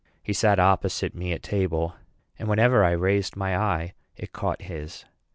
He sat opposite me at table; and whenever I raised my eye, it caught his.